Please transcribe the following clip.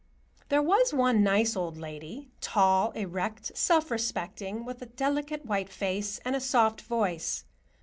There was one nice old lady,—tall, erect, self respecting, with a delicate white face and a soft voice.